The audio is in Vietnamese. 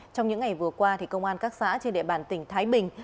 trong những ngày vừa qua công an các xã trên địa bàn tỉnh thái bình